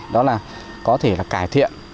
đó là có thể cải thiện